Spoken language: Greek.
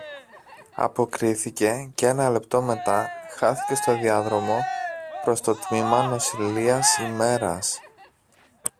αποκρίθηκε και ένα λεπτό μετά χάθηκε στο διάδρομο προς το τμήμα νοσηλείας ημέρας